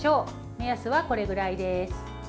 目安はこれぐらいです。